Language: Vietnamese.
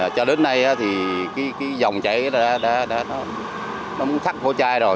cho đến nay thì cái dòng chảy nó đã thắt cổ chai rồi